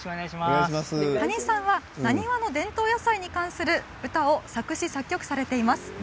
谷井さんはなにわの伝統野菜に関する歌を作詞作曲されています。